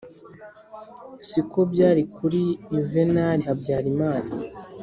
si ko byari kuri yuvenali habyarimana.